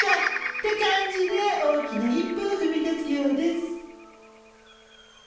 って感じで大きな一歩をふみ出すようです。